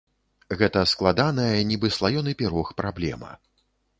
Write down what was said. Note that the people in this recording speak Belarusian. Гэта складаная, нібы слаёны пірог, праблема.